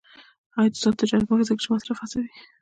آزاد تجارت مهم دی ځکه چې مصرف هڅوي.